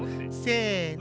せの！